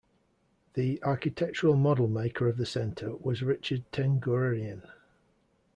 The architectural model maker of the Center was Richard Tenguerian.